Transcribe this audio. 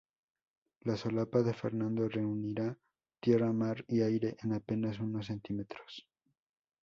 La solapa de Fernando reunirá tierra, mar y aire en apenas unos centímetros.